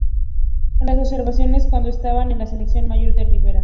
Lo observaron cuando estaba con la selección mayor de Rivera.